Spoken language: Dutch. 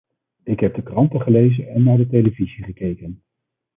Ik heb de kranten gelezen en naar de televisie gekeken.